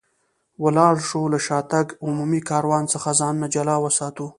ولاړ شو، له شاتګ عمومي کاروان څخه ځانونه جلا وساتو.